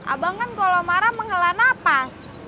abang kan kalau marah mengela napas